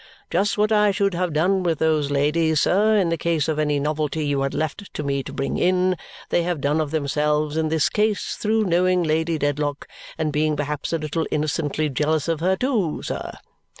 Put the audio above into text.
Just what I should have done with those ladies, sir, in the case of any novelty you had left to me to bring in, they have done of themselves in this case through knowing Lady Dedlock and being perhaps a little innocently jealous of her too, sir.